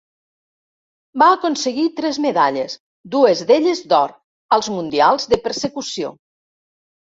Va aconseguir tres medalles, dues d'elles d'or, als Mundials de persecució.